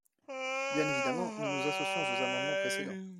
Bien évidemment, nous nous associons aux amendements précédents.